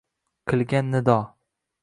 Qilgan nido